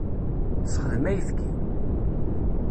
Sexdem ayfki.